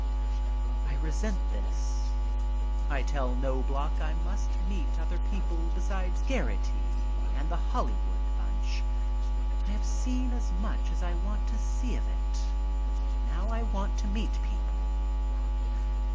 I resent this. I tell Knobloch I must meet other people besides Geraghty and 84 MY TRIP ABROAD the Hollywood bunch. I have seen as much as I want to see of it. Now I want to meet people.